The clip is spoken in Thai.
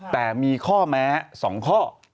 แต่มีข้อแม้๒ข้อ